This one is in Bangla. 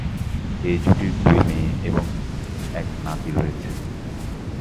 এই জুটির দুই মেয়ে এবং এক নাতি রয়েছে।